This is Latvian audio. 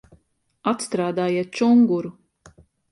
Atstrādājiet čunguru!